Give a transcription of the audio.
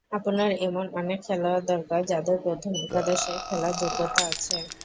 আপনার এমন অনেক খেলোয়াড় দরকার, যাদের প্রথম একাদশে খেলার যোগ্যতা আছে।